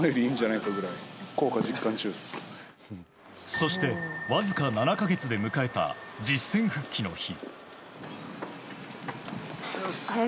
そして、わずか７か月で迎えた実戦復帰の日。